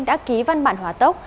đã ký văn bản hóa tốc